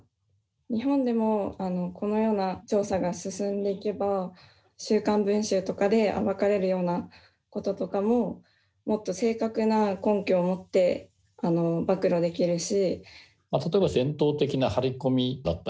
日本でもこのような調査が進んでいけば「週刊文春」とかで暴かれるようなこととかももっと正確な根拠をもって暴露できるし。